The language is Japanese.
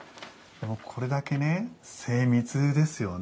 これだけね精密ですよね。